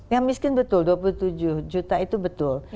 yang miskin betul dua puluh tujuh juta itu betul